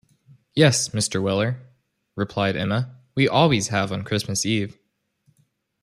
‘Yes, Mr. Weller,’ replied Emma; ‘we always have on Christmas Eve'.